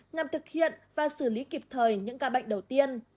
nhằm thực hiện và xử lý kịp thời những ca bệnh đầu tiên